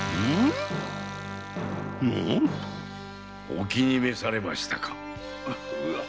お気に召されましたか？